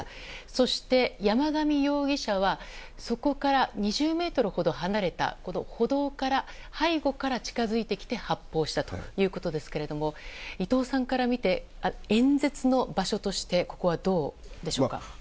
そして、山上容疑者はそこから２０ｍほど離れた歩道から、背後から近づいてきて発砲したということですが伊藤さんから見て演説の場所としてここはどうでしょうか？